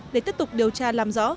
để tiếp tục điều tra làm rõ